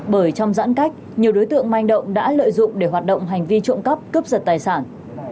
bởi trong giãn cách nhiều đối tượng manh động đã lợi dụng để hoạt động hành vi trộm cắp cướp giật tài sản